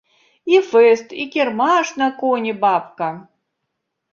І фэст, і кірмаш на коні, бабка.